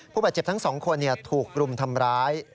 ผู้บาดเจ็บทั้งสองคนเนี่ยถูกกลุ่มทำร้าย